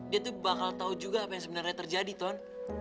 dia tuh bakal tahu juga apa yang sebenarnya terjadi tuan